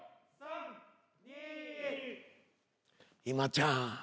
今ちゃん。